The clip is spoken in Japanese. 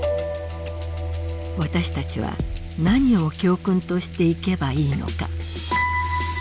私たちは何を教訓としていけばいいのか。